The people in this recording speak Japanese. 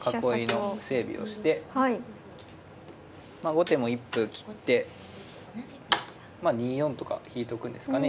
後手も一歩切ってまあ２四とか引いとくんですかね。